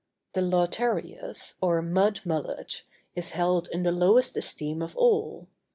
The lautarius, or mud mullet, is held in the lowest esteem of all.